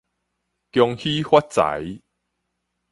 恭喜發財